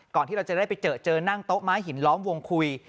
ก่อนที่เราจะได้ไปเจอนั่งโต๊ะไม้หินล้อมวงคุย